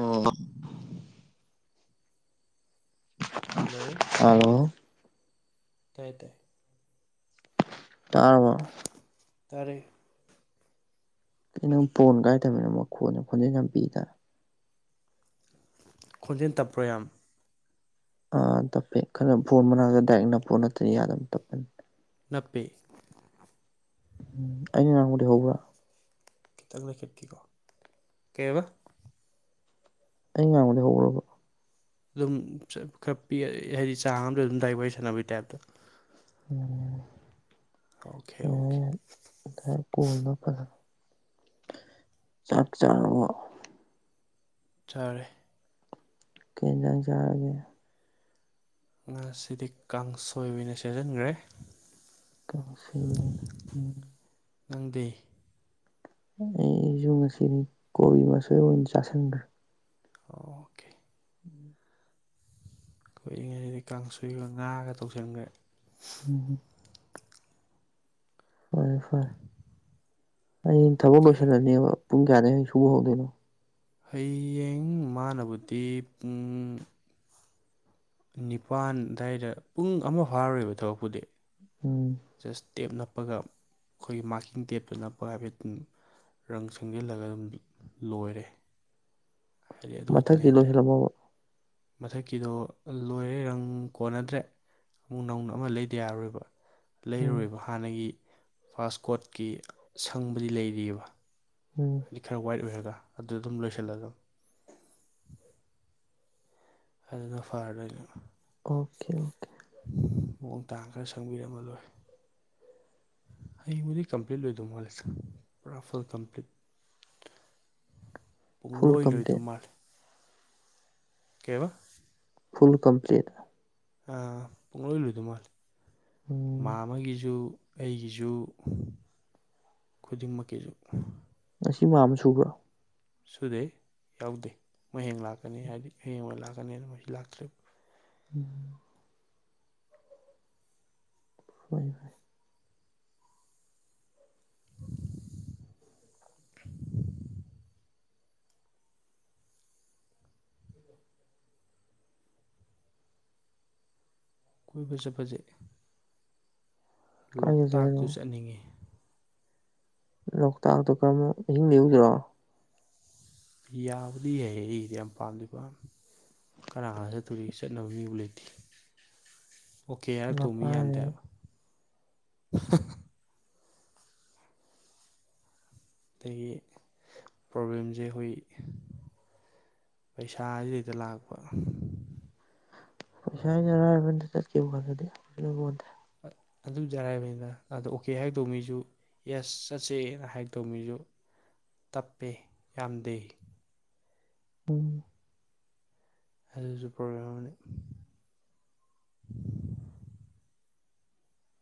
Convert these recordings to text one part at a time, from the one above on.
ꯑꯣꯝ hello hello ꯇꯥꯏ ꯇꯥꯏ ꯇꯥ ꯇꯔꯦ ꯀ ꯅꯪ ꯄꯣꯟ ꯀꯥꯏꯗꯕꯅꯤꯅꯃ ꯈꯣꯟ ꯈꯣꯟꯖꯦꯜ ꯌꯥꯝ ꯄꯤꯗꯅ ꯈꯣꯟꯖꯦꯜ ꯇꯞꯄ꯭ꯔꯣ ꯌꯥꯝ ꯇꯞꯄꯦ ꯈꯜ ꯐꯣꯟ ꯃꯅꯥꯛꯇ ꯗꯥꯏꯔꯦꯛ ꯅꯞꯄ ꯅꯠꯇꯅꯤ ꯌꯥꯗ ꯑꯗꯨꯝ ꯇꯞꯄꯅꯤ ꯅꯞꯄꯤꯦ ꯎꯝ ꯑꯩꯅ ꯉꯥꯡꯕꯨꯗꯤ ꯍꯧꯕ꯭ꯔꯥ ꯀꯈꯤꯇꯪꯅ ꯈꯦꯇ ꯀꯣ ꯀꯩꯕ ꯑꯩ ꯉꯥꯡꯕꯗꯤ ꯍꯧꯔꯕ ꯑꯗꯨꯝ ꯈꯔ ꯄ ꯍꯥꯏꯗꯤ ꯆꯥꯡ ꯑꯝꯗ ꯑꯗꯨꯝ ꯗꯥꯏ ꯋꯥꯔꯤ ꯋꯥꯔꯤ ꯁꯥꯟꯅꯕꯒꯤ ꯇꯥꯏꯞꯇꯣ ꯎꯝ ꯑꯣꯀꯦ ꯑꯣꯀꯦ ꯑꯦ ꯉ ꯀꯣꯜꯅ ꯐꯖꯅ ꯆꯥꯛ ꯆꯥ ꯆꯔꯦ ꯀꯦꯟꯖꯥꯡ ꯆꯥꯔꯒꯦ ꯉꯥꯁꯤꯗꯤ ꯀꯥꯡꯁꯣꯏꯕꯤ ꯑꯣꯏꯅ ꯁꯖꯤꯟꯈ꯭ꯔꯦ ꯀ ꯁꯤ ꯎꯝ ꯅꯪꯗꯦ ꯑꯩꯁꯨ ꯉꯁꯤꯅꯤ ꯀꯣꯕꯤ ꯃꯆꯣꯏ ꯑꯣꯏꯅ ꯆꯥꯥꯁꯟꯈ꯭ꯔꯦ ꯇꯣ ꯎꯝ ꯑꯩꯈꯣꯏꯏ ꯉꯩꯁꯤꯗꯤ ꯀꯥꯡ ꯁꯣꯏꯒ ꯉꯥꯒ ꯇꯧꯁꯤꯟꯈ꯭ꯔꯦ ꯎꯝꯝ ꯐꯔꯦ ꯐꯔꯦ ꯑꯩ ꯊꯕꯛ ꯑꯣꯀꯦ ꯑꯣꯀꯦ ꯂꯣꯏꯁꯤꯜꯂꯅꯦꯕ ꯄꯨꯡ ꯀꯌꯥꯗꯒꯤꯨꯛ ꯁꯨꯕ ꯍꯧꯗꯣꯏꯅꯣ ꯍꯌꯦꯡ ꯃꯥꯟꯅꯕꯗꯤ ꯄꯨꯡ ꯅꯤꯄꯥꯜ ꯑꯗꯨꯋꯥꯏꯗ ꯄꯨꯡ ꯑꯃ ꯐꯥꯔꯨꯣꯏꯕ ꯊꯕꯛꯄꯨꯗꯤ ꯎꯝ ꯖꯁ ꯇꯦꯞ ꯅꯞꯄꯒ ꯑꯩꯈꯣꯏꯒꯤ ꯃꯥꯔꯀꯤꯡ ꯇꯦꯞꯇ ꯅꯞꯄꯒ ꯍꯥꯏꯕ ꯑꯗꯨ ꯔꯪ ꯁꯪꯖꯜꯂꯒ ꯑꯗꯨꯝ ꯂꯣꯏꯔꯦ ꯍꯥꯏꯗꯤ ꯑꯗꯨ ꯈꯛꯇꯅꯦ ꯃꯊꯛꯀꯤ ꯍꯥꯏꯇꯥꯔꯦ ꯂꯣꯏꯁꯤꯜꯂꯝꯕ ꯃꯊꯛꯀꯤꯗꯣ ꯂꯣꯏꯔꯦ ꯔꯪ ꯀꯣꯟꯅꯗ꯭ꯔꯦ ꯑꯃꯨꯛ ꯅꯧꯅ ꯑꯃ ꯂꯩꯗ ꯌꯥꯔꯣꯏꯕ ꯎꯝ ꯂꯩꯔꯨꯣꯏꯕ ꯍꯥꯟꯅꯒꯤ ꯐꯥꯁ ꯀꯣꯠꯀꯤ ꯁꯪꯕꯗꯤ ꯂꯩꯔꯤꯑꯕ ꯎꯝ ꯁꯤ ꯈꯔ ꯋꯥꯏꯠ ꯑꯣꯏꯔꯒ ꯑꯗꯨꯗ ꯑꯗꯨꯝ ꯂꯣꯏꯁꯤꯜꯂꯒ ꯑꯗꯨꯅ ꯐꯥꯔꯔ ꯑꯣꯀꯦ ꯑꯣꯀꯦ ꯃꯑꯣꯡ ꯇꯥꯡ ꯈꯔ ꯁꯪꯕꯤꯔꯝꯃꯔꯣꯏ ꯍꯌꯦꯡꯕꯨꯗꯤ ꯀꯝꯄ꯭ꯂꯤꯠ ꯂꯣꯏꯗꯧ ꯃꯥꯂꯁꯦ ꯄꯨꯔꯥ ꯐꯨꯜ ꯀꯝꯄ꯭ꯂꯤꯠ ꯐꯨꯜ ꯄꯨꯡꯂꯣꯏ ꯂꯣꯏꯗꯧ ꯀꯝꯄ꯭ꯂꯦꯠ ꯃꯥꯜꯂꯦ ꯀꯕ ꯐꯨꯜ ꯀꯝꯄ꯭ꯂꯂꯤꯠ ꯄꯨꯡꯂꯣꯏ ꯂꯣꯏꯗꯧ ꯃꯥꯂ ꯃꯥ ꯎꯝ ꯑꯃꯒꯤꯁꯨ ꯑꯩꯒꯤꯁꯨ ꯈꯨꯗꯤꯡꯃꯛꯀꯤꯁꯨ ꯉꯁꯤ ꯃ ꯁꯨꯕ꯭ꯔꯥ ꯁꯨꯗꯦ ꯌꯥꯎꯗꯦ ꯍꯌꯦꯡ ꯂꯥꯛꯀꯅꯤ ꯍꯥꯏꯗꯤ ꯍꯌꯦꯡ ꯑꯣꯏꯅ ꯂꯥꯛꯀꯅꯤ ꯍꯥꯏꯅ ꯃꯁꯤ ꯂꯥꯛꯇ꯭ꯔꯔꯤꯕ ꯎꯝ ꯕꯥꯏ ꯐꯕꯥꯏ [unintelligible] ꯀꯣꯏꯕ ꯆꯠꯄꯁꯦ ꯀꯥꯏ ꯆꯠꯁꯦ ꯍꯥꯏꯅꯣ ꯂꯣꯛꯇꯥꯛꯇꯨ ꯆꯠꯅꯤꯡꯉꯤ ꯂꯣꯛꯇꯥꯛꯇꯣ ꯀꯔꯃꯨꯛ ꯑꯍꯤꯡꯕꯤꯎꯗꯔꯣ ꯌꯥꯕꯗꯤ ꯍꯥꯏ ꯏꯗꯤ ꯌꯥꯝꯄꯜꯗꯄꯥ ꯀꯅꯥꯒꯗ ꯇꯔꯤ ꯆꯠꯅꯕ ꯃꯤꯕꯨ ꯂꯩꯇꯦ ꯑꯣꯀꯦ ꯌꯥꯔ ꯇꯣꯡꯃꯤ ꯅꯄꯥꯏꯅ ꯌꯥꯟꯗꯦꯕ ꯑꯗꯒꯤ ꯄ꯭ꯔꯣꯕ꯭ꯂꯦꯝꯁꯦ ꯑꯩꯈꯣꯏ ꯄꯩꯁꯥꯁꯤꯗꯩꯗ ꯂꯥꯛꯄ ꯄꯩꯁꯥ ꯑꯩꯅꯔꯔꯕꯅꯤꯗ ꯆꯠꯀꯈꯤꯕ ꯐꯥꯟꯂꯗꯤꯣꯟꯗꯦ ꯑꯗꯨꯖꯔꯕꯅꯤꯅ ꯑꯗ ꯑꯣꯀꯦ ꯍꯥꯏꯗꯧ ꯃꯤꯁꯨ ꯌꯦꯁ ꯆꯠꯁꯦꯅ ꯍꯥꯏꯗꯧꯃꯤꯁꯨ ꯇꯞꯄꯦ ꯌꯥꯝꯗꯦ ꯎꯝ ꯑꯂꯁꯨ ꯄ꯭ꯔꯣꯒ꯭ꯔꯝꯅꯤ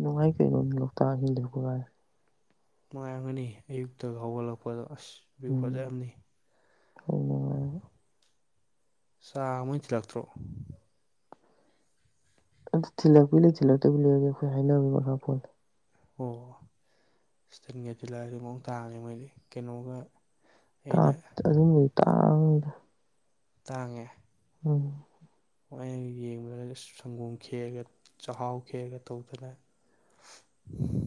ꯅꯨꯡꯉꯥꯏ ꯀꯩꯅꯣ ꯂꯣꯛꯇꯥꯛꯁꯤꯡꯤꯡꯗꯒꯥꯏꯦ ꯅꯨꯡꯉꯥꯏꯔꯝꯒꯅꯤ ꯑꯌꯨꯛꯇ ꯍꯧꯒꯠꯂꯛꯄꯗꯣ ꯑꯁ ꯑꯗꯨꯛ ꯎꯝ ꯐꯖꯔꯝꯅꯤ ꯍꯣꯏ ꯅꯨꯡꯉꯥꯏ ꯁꯥ ꯃꯣꯏ ꯊꯤꯜꯂꯛꯇ꯭ꯔꯣ ꯑꯗꯨ ꯊꯤꯜꯂꯛꯄꯤ ꯂꯩ ꯊꯤꯜꯂꯛꯇꯕꯤ ꯂꯩꯔꯒ ꯑꯩꯈꯣꯏ ꯍꯥꯏꯅꯕ ꯃꯈꯥ ꯐꯣꯣꯟ ꯑꯣ ꯏꯁꯇꯜꯒ ꯇꯤꯜꯂꯥꯏꯁꯤ ꯑꯃꯨꯛ ꯇꯥꯡꯉꯅꯤꯦ ꯃꯣꯏꯗꯤ ꯀꯩꯅꯣꯒ ꯑꯩꯅ ꯑꯗꯨꯨꯝꯝꯕꯒꯤ ꯇꯥꯡꯗ ꯇꯥꯡꯉꯦ ꯎꯝ ꯍꯣꯏꯩꯅ ꯌꯦꯡꯕꯗ ꯁꯪꯒꯣꯝ ꯈꯦꯦꯛꯑꯒ ꯆꯥꯛꯍꯥꯎ ꯈꯦꯦꯛꯑꯒ ꯇꯧꯗꯅ [unintelligible]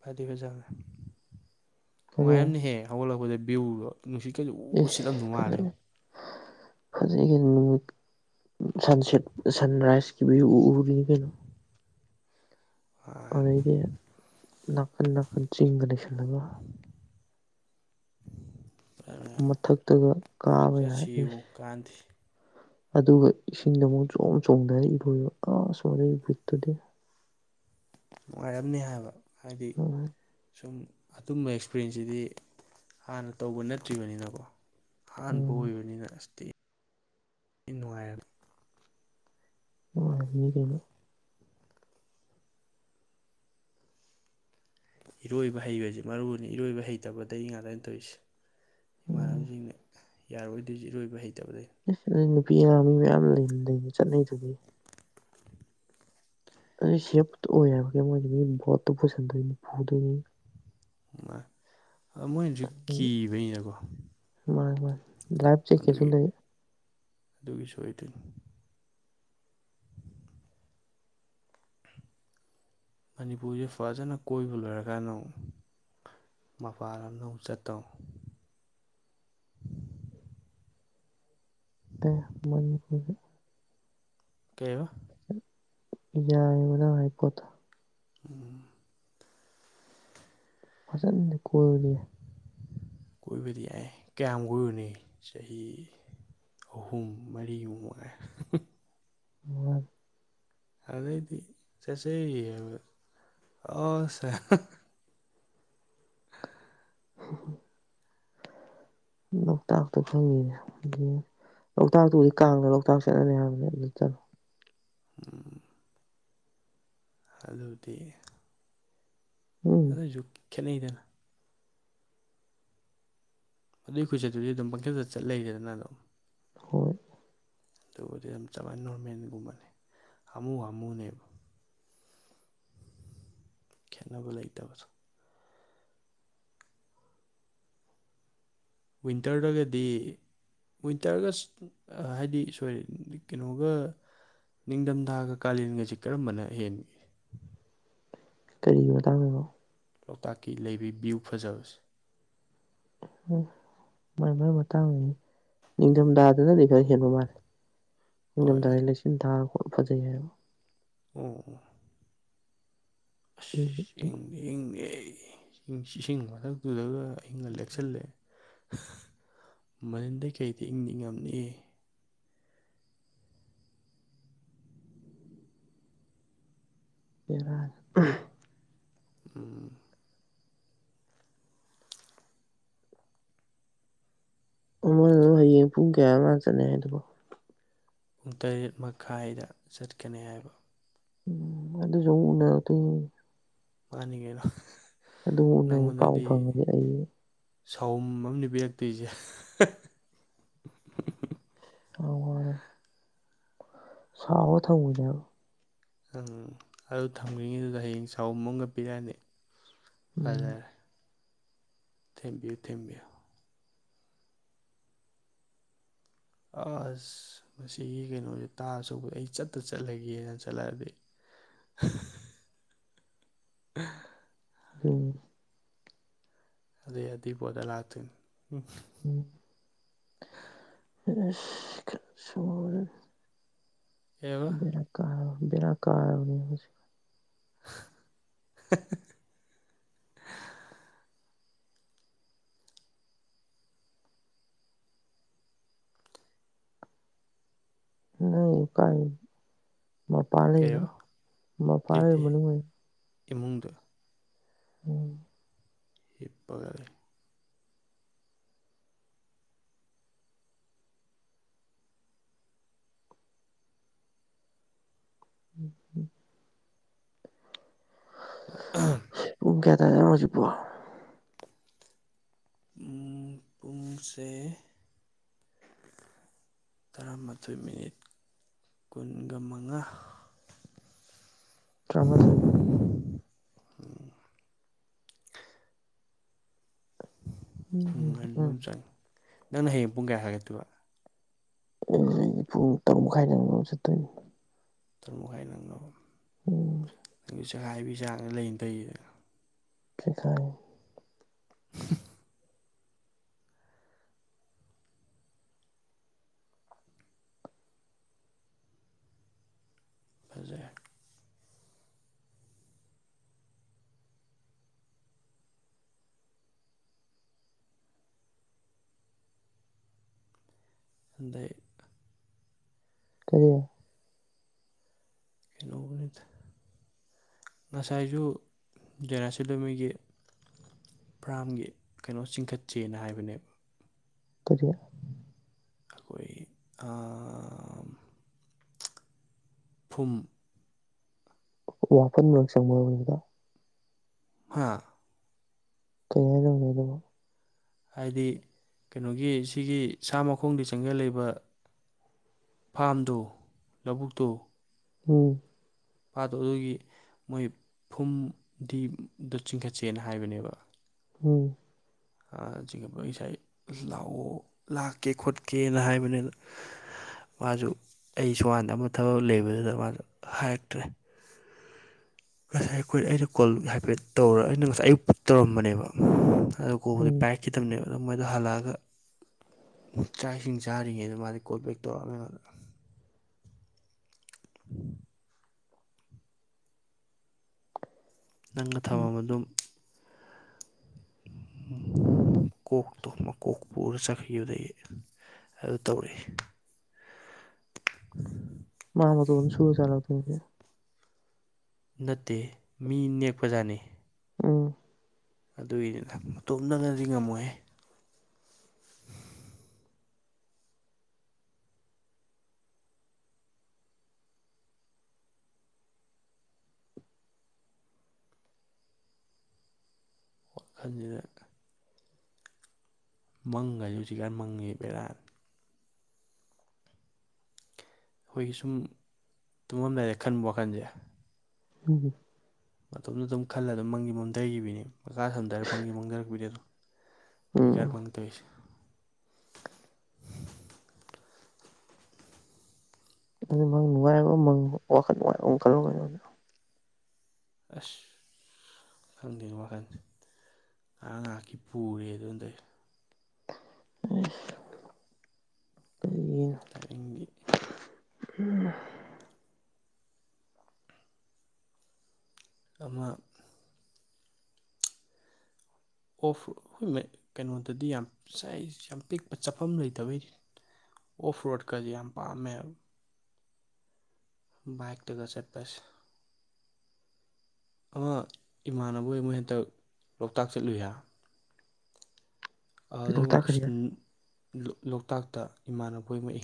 ꯐꯗꯤ ꯐꯖꯥꯅꯦ ꯀꯔꯤ ꯅꯨꯡꯉꯥꯏꯔꯝꯅꯤꯍꯦ ꯍꯧꯒꯠꯂꯛꯄꯗ ꯕ꯭ꯌꯎꯒꯣ ꯅꯨꯡꯁꯤ ꯀꯩꯁꯨ ꯎꯠꯁꯤꯠꯂꯝꯝꯗꯧ ꯃꯥꯜꯂꯦꯕ ꯍꯧꯖꯤꯒ ꯅꯨꯃꯤ ꯁꯟꯁꯦꯠ ꯁꯟꯔꯥꯏꯁꯀꯤꯚ ꯎꯔꯤꯅꯤ ꯀꯩꯅꯣ ꯑꯗꯩꯗꯤ ꯅꯥꯀꯟ ꯅꯥꯀꯟ ꯆꯤꯡꯒ ꯅꯁꯜꯂꯒ ꯃꯊꯛꯇꯒ ꯀꯥꯕ ꯌꯥꯔꯏ ꯆꯠꯁꯤꯕꯨ ꯀꯥꯟꯗꯦ ꯑꯗꯨꯒ ꯏꯁꯤꯡꯗ ꯑꯃꯨꯛ ꯆꯣꯡ ꯆꯣꯡꯗꯅ ꯏꯔꯣꯏꯕ ꯑꯁꯃꯗꯩ ꯋꯤꯠꯇꯨꯗꯤ ꯅꯨꯡꯉꯥꯏꯔꯝꯅꯤ ꯍꯥꯏꯕ ꯍꯥꯏꯗꯤ ꯅꯨꯡꯉꯥꯏ ꯁꯨꯝ ꯑꯗꯨꯝꯕ ꯑꯦꯛꯁꯄꯤꯔꯦꯟꯁꯁꯤꯗꯤ ꯍꯥꯟꯅ ꯇꯧꯕ ꯅꯠꯇ꯭ꯔꯤꯕꯅꯤꯅꯀꯣ ꯑꯍꯥꯟꯕ ꯎꯝ ꯑꯣꯏꯕꯅꯤꯅ ꯑꯁ ꯏꯟꯅꯨꯡꯥꯏꯜ ꯑꯅꯨꯡ ꯏꯅꯤꯈꯅꯣ ꯏꯔꯣꯏꯕ ꯍꯩꯕꯁꯤ ꯃꯔꯨꯅꯤ ꯏꯔꯣꯏꯕ ꯍꯩꯇꯕꯗꯒꯤ ꯉꯥꯇꯥꯏꯅ ꯇꯧꯔꯤꯁꯦ ꯎꯝ ꯏꯃꯥꯟꯅꯕꯁꯤꯡꯅ ꯌꯥꯔꯣꯏꯗꯣꯏꯁ ꯏꯔꯣꯏꯕ ꯍꯩꯇꯕꯗꯒꯤ ꯅꯨꯄꯤ ꯑꯔꯥ ꯃꯤ ꯃꯌꯥꯝ ꯂꯩꯔꯤ ꯆꯠꯅꯩꯗꯨꯒꯤ ꯄ ꯐ ꯃꯣꯏꯅꯁꯨ ꯀꯤꯕꯅꯤꯅꯀꯣ ꯃ ꯃꯔ ꯂꯕ ꯆ ꯈꯦꯁꯟ ꯊ ꯑꯗꯨꯒꯤꯁꯨ ꯑꯣꯏꯇ ꯃꯅꯤꯄꯨꯔꯁꯦ ꯐꯖꯅ ꯀꯣꯏꯕ ꯂꯣꯏꯔꯀꯥꯟꯗ ꯑꯃꯨꯛ ꯃꯄꯥꯟ ꯂꯝꯗ ꯆꯠꯇꯧ ꯇ ꯃꯣꯏꯄ ꯀꯦꯕ ꯌꯥꯏꯕꯗꯥ ꯍꯥꯏ ꯄꯣꯠꯇ ꯑꯣꯝ ꯐꯖꯦꯟꯗꯤ ꯀꯅꯤꯦ ꯀꯕꯅꯤ ꯌꯥ ꯀꯃꯒꯅꯤ ꯆꯍꯤ ꯆꯍꯤ ꯑꯍꯨꯝ ꯃꯔꯤ ꯃꯨꯝꯥꯏ ꯎꯝ ꯑꯥꯟꯗꯩꯗꯤ ꯆꯁꯦ ꯑꯁꯦ ꯂꯣꯛꯇꯥꯛꯇ ꯐꯪꯉꯤꯅꯦ ꯂꯣꯛꯇꯥꯛꯇꯨꯗꯤ ꯀꯥꯡꯅ ꯂꯣꯛꯇꯥꯛ ꯆꯠꯅꯅꯤ ꯍꯥꯏꯕꯅꯤ ꯑꯗꯨ ꯆꯠꯂꯣ ꯑ ꯑꯗꯨꯗꯤ ꯎꯝ ꯑꯩꯣꯏꯁꯨ ꯈꯦꯠꯅꯩꯗꯅ ꯑꯗꯨꯏ ꯈꯣꯏꯆꯠꯇꯨꯗꯤ ꯑꯗꯨꯝ ꯄꯪꯊꯦꯜꯇ ꯆꯠ ꯂꯩꯔꯦꯗꯅ ꯑꯗꯨꯝ ꯍꯣꯏ ꯇꯕꯨꯗꯤ ꯌꯥꯝ ꯆꯏꯅ ꯅꯣꯔꯃꯦꯦꯟꯒꯨꯝꯕꯅꯦ ꯍꯥꯃꯨ ꯍꯥꯃꯨꯅꯦꯕ ꯈꯦꯠꯅꯕ ꯂꯩꯇꯕꯁꯨ ꯋꯤꯟꯇꯔꯗꯒꯗꯤ ꯋꯤꯟꯇꯔꯒ ꯍꯥꯏꯗꯤ ꯁꯣꯏꯔꯤ ꯀꯩꯅꯣꯒ ꯅꯤꯡꯊꯝꯊꯥꯒ ꯀꯥꯂꯦꯟꯒꯁꯤ ꯀꯔꯝꯕꯅ ꯍꯦꯟꯒ ꯀꯔꯤꯒꯤ ꯃꯇꯥꯡꯅꯣ ꯂꯣꯛꯇꯥꯛꯀꯤ ꯂꯩꯕꯤ ꯚ꯭ꯌꯨ ꯐꯖꯕꯁꯦ ꯃꯥꯏ ꯃꯥꯏ ꯃꯇꯥꯡꯅꯤ ꯅꯤꯡꯊꯝꯊꯥꯗꯅꯗꯤ ꯈꯔ ꯍꯦꯟꯕ ꯃꯥꯜꯂꯦ ꯅꯤꯡꯉꯝ ꯊ ꯍꯣꯏ ꯂꯩꯁꯤꯟ ꯊꯥꯔꯒ ꯈꯣꯠꯅ ꯐꯖꯩ ꯍꯥꯏꯕ ꯑꯣꯝ ꯑꯣ ꯎ ꯪꯗ ꯏꯁꯤꯡ ꯃꯊꯛꯇꯨꯗꯒ ꯑꯪꯒ ꯂꯦꯛꯁꯜꯂꯦ ꯃꯅꯤꯟꯗꯩ ꯀꯩꯗꯤ ꯏꯪꯅꯤꯡ ꯉꯝꯅꯤ ꯌꯥꯔꯥ ꯑꯥ ꯑꯃꯗ ꯍꯌꯦꯡ ꯄꯨꯡ ꯀꯌꯥ ꯉ ꯆꯠꯅ ꯍꯥꯏꯕꯣ ꯄꯨꯡ ꯇꯔꯦꯠ ꯃꯈꯥꯏꯗ ꯆꯠꯀꯅꯤ ꯍꯥꯏꯕ ꯎꯝ ꯑꯗꯨꯗꯁꯨ ꯎꯅꯔ ꯇ ꯃꯥꯅꯤꯡꯉꯩꯅꯣ ꯑꯗꯨꯝ ꯎꯅ ꯄꯥꯎ ꯐꯪꯉꯗꯤ ꯑꯩ ꯁꯥꯎꯨꯝ ꯑꯃꯅꯦ ꯄꯤꯔꯛꯇꯣꯏꯁꯦ ꯑ ꯁꯑꯣ ꯊꯝꯨꯅꯦꯕ ꯎꯝ ꯑꯗꯨ ꯊꯝꯒ꯭ꯔꯤꯉꯤꯗꯨꯗ ꯍꯌꯦꯡ ꯆꯍꯨꯝꯃꯒ ꯄꯤꯔꯛꯑꯅꯤ ꯎꯝ ꯐꯖꯔꯦ ꯊꯦꯝꯕꯤꯌꯨ ꯊꯦꯡꯦꯝꯕꯤꯌꯨ ꯑꯁ ꯃꯁꯤꯒꯤ ꯀꯩꯅꯣꯁꯦ ꯇꯥꯁꯨꯧꯕ ꯑꯩ ꯆꯠꯇ ꯆꯠꯂꯒꯦꯅ ꯆꯠꯂꯛꯑꯗꯤ [unintelligible] ꯑ ꯑꯗꯨ ꯑꯗꯨꯗ ꯑꯗꯨꯗꯤꯕꯗꯂꯥꯛꯇꯅ ꯎꯝ ꯁ ꯑꯦꯕ ꯕꯔ ꯀꯥ ꯕꯔ ꯀꯥꯅꯤ ꯍꯧꯖꯤ [unintelligible] ꯅ ꯀꯥꯏ ꯃꯄꯥꯟ ꯀꯌꯥ ꯂꯩꯔꯣ ꯃꯄꯥꯟ ꯂꯩꯔꯣ ꯂꯩꯇꯦ ꯃꯅꯨꯡ ꯂꯩꯔꯣ ꯏꯃꯨꯡꯗ ꯎꯝ ꯍꯤꯞꯄꯒꯔꯦ ꯎꯝ ꯎꯝ ꯎꯨꯡꯒꯦꯗ ꯍꯧꯖꯤ ꯄꯣ ꯨꯡ ꯄꯨꯡꯁꯦ ꯇꯔꯥꯃꯥꯊꯣꯏ ꯃꯤꯅꯤꯠ ꯀꯨꯟꯒ ꯃꯉꯥ ꯇ꯭ꯔꯃꯥ ꯊꯣ ꯎ ꯎꯝ ꯉꯟꯕ ꯎꯝ ꯆꯪꯉ ꯅꯪꯅ ꯍꯌꯦꯡ ꯄꯨꯡ ꯀꯌꯥ ꯍꯥꯒꯠꯇꯣꯏꯕ ꯑꯩ ꯑꯩꯗꯤ ꯄꯨꯡ ꯇꯔꯨꯛ ꯃꯈꯥꯏꯗꯪꯝ ꯆꯠꯇꯣꯏꯅꯤ ꯑꯗꯨꯔ ꯃꯈꯥꯏ ꯅꯪꯅ ꯎꯝ ꯅꯪꯒꯤ ꯆꯈꯥꯏꯕꯤ ꯆꯥꯡꯅ ꯂꯩꯅ ꯇꯩꯌꯦꯗ ꯀꯈꯥꯏ [inaudible] ꯐꯖꯦ ꯍꯗ ꯀꯔꯤꯦ ꯅꯅꯤꯗ ꯉꯁꯥꯏꯁꯨ ꯖꯔꯥꯁꯤꯂꯃꯤꯒꯤ ꯐ꯭ꯔꯥꯝꯒꯤ ꯀꯩꯅꯣ ꯆꯤꯡꯈꯠꯁꯦꯅ ꯍꯥꯏꯕꯅꯦꯕ ꯀꯔꯤꯌꯥ ꯑꯩꯈꯣꯏ ꯐꯨꯝ ꯋꯥꯄꯟ ꯃꯔ ꯆꯪꯕꯗꯨꯗ ꯍꯥ ꯀꯩ ꯍꯥꯏ ꯇꯧꯒꯗꯕ ꯍꯥꯏꯗꯤ ꯀꯩꯅꯣꯒꯤ ꯁꯤꯒꯤ ꯁꯥ ꯃꯈꯣꯡꯗꯤ ꯆꯪꯁꯤꯜꯂꯤꯕ ꯐꯥꯝꯗꯨ ꯂꯧꯕꯨꯛꯇꯨ ꯎꯝ ꯄꯥꯗꯣ ꯑꯗꯨꯒꯤ ꯃꯣꯏ ꯐꯨꯝꯗꯤꯗ ꯆꯤꯡꯈꯠꯁꯦꯅ ꯍꯥꯏꯕꯅꯦꯕ ꯎꯝ ꯆꯤꯡꯉ ꯉꯁꯥꯏ ꯂꯥꯛꯑꯣ ꯂꯥꯛꯀꯦ ꯈꯣꯠꯀꯦꯅ ꯍꯥꯏꯕꯅꯤꯅ ꯃꯥꯁꯨ ꯑꯩ ꯁꯨꯃꯥꯟꯗ ꯑꯃ ꯊꯕꯛ ꯂꯩꯕꯗꯨꯗ ꯃꯥꯁꯨ ꯍꯥꯏꯔꯛꯇ꯭ꯔꯦ ꯉꯁꯥꯏ ꯑꯩꯈꯣꯏ ꯑꯩꯅ ꯀꯣꯜ ꯍꯥꯏꯐꯦꯠ ꯇꯧꯔ ꯑꯩꯅ ꯉꯁꯥꯏ ꯑꯌꯨꯛ ꯇꯧꯔꯝꯕꯅꯦꯕ ꯑꯣ ꯀꯣꯜꯕꯨꯗꯤ ꯎꯝ ꯄꯦꯛ ꯈꯤꯇꯕꯅꯦꯕ ꯑꯗꯣ ꯃꯣꯏꯗꯣ ꯍꯜꯂꯛꯑꯒ ꯆꯥꯛ ꯏꯁꯤꯡ ꯆꯥꯔꯤꯉꯩꯗ ꯃꯥꯗꯤ ꯀꯣꯜ ꯕꯦꯛ ꯇꯧꯔꯛꯑꯃꯦꯗꯅ ꯅꯪꯅ ꯊꯝꯃꯕ ꯑꯗꯨ ꯀꯣꯛꯇꯣ ꯃꯀꯣꯛ ꯄꯨꯔ ꯆꯠꯈꯤꯕꯗꯒꯤ ꯑꯗꯨ ꯇꯧꯔꯛꯏ ꯃꯥꯃ ꯇꯧ ꯁꯨꯔ ꯆꯂꯦ ꯅꯠꯇꯦ ꯃꯤ ꯅꯦꯛꯄꯖꯥꯠꯅꯤ ꯎꯝ ꯑꯗꯨꯒꯤꯅꯤꯅ ꯃꯇꯣꯝꯅꯅꯗꯤ ꯉꯝꯃꯣꯏꯍ [inaudible] ꯋꯥꯈꯜꯁꯤꯅ ꯃꯪꯒꯗꯤ ꯍꯧꯖꯤꯛꯀꯥꯟ ꯃꯪꯉꯦꯕꯦꯔꯥ ꯑꯩꯈꯣꯏꯒꯤ ꯁꯨꯝ ꯇꯨꯝꯃꯝ ꯂꯩꯔꯦ ꯈꯟꯕ ꯋꯥꯈꯜꯁꯦ ꯎꯝ ꯃꯇꯣꯗ ꯑꯗꯨꯝ ꯈꯜꯂ ꯑꯗꯨꯝ ꯃꯪꯒꯤ ꯃꯝꯊꯈꯤꯕꯅꯤ ꯃꯈꯥ ꯁꯝꯊꯔꯒ ꯃꯪꯒꯤ ꯃꯥꯡꯊꯔꯛꯄꯤꯗꯅꯣ ꯍꯣꯏ ꯎꯝ ꯀꯔꯄꯪꯗꯣꯏꯁ ꯑꯗꯨ ꯃꯪ ꯅꯨꯡꯉꯥꯏꯕꯪ ꯋꯥꯈꯜ ꯅꯨꯡꯉꯕ ꯑꯃ ꯈꯜꯂꯨꯒꯣꯗ ꯑꯁ ꯈꯪꯗꯦ ꯋꯥꯈꯜꯁꯦ ꯉꯥꯏꯍꯥꯛ ꯉꯥꯏꯍꯥꯛꯀꯤ ꯄꯨꯔꯦ ꯑꯗꯨꯗꯩ ꯀꯒꯤꯅ ꯇꯥꯏꯌꯦꯅꯤꯡꯒꯤ ꯎꯝ ꯑꯃ ꯑꯣꯐ ꯑꯩꯣꯏ ꯀꯩꯅꯣꯗꯗꯤ ꯌꯥꯝꯥꯏ ꯌꯥꯝ ꯄꯤꯛꯄ ꯆꯥꯐꯝ ꯂꯩꯇꯕꯩꯅꯤ ꯑꯣꯐ ꯔꯣꯠ ꯀꯖꯤ ꯌꯥꯝ ꯄꯥꯝꯃꯦ ꯕꯥꯏꯛ ꯇꯒ ꯆꯠꯄꯁ ꯑꯃ ꯏꯃꯥꯟꯅꯕꯣꯏ ꯃꯣꯏ ꯍꯟꯇꯛ ꯂꯣꯛꯇꯥꯛ ꯆꯠꯂꯨꯍ ꯑꯗꯨꯒ ꯂꯣꯛꯇꯥꯛ ꯀꯔꯤꯔ ꯂꯣꯛꯇꯥꯛꯇ ꯏꯃꯥꯟꯅꯕ ꯑꯃ ꯏꯪꯂꯤ